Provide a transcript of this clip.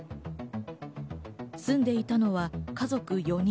住んでいたのは家族４人。